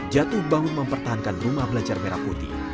jatuh bangun mempertahankan rumah belajar merah putih